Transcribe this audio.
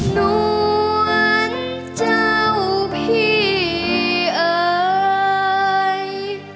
น้วนเจ้าพี่เอ๋ย